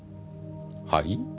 はい？